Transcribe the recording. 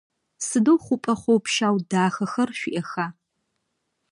Сыдэу хъупӏэ хъоу-пщау дахэхэр шъуиӏэха?